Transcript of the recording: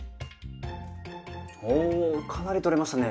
おおかなり取れましたね。